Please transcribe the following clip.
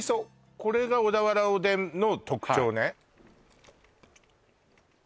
これが小田原おでんの特徴ね